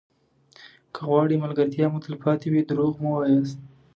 که غواړئ ملګرتیا مو تلپاتې وي دروغ مه وایاست.